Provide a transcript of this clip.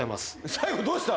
最後どうした？